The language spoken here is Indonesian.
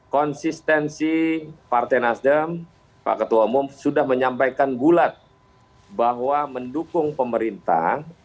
konsistensi partai nasdem pak ketua umum sudah menyampaikan bulat bahwa mendukung pemerintah